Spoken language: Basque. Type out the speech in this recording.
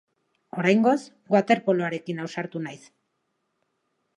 Oraingoz, waterpoloarekin ausartu naiz.